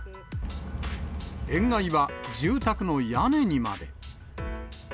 塩害は住宅の屋根にまで。